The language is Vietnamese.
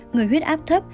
người huyết áp thấp